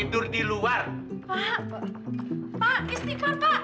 tidur di luar pak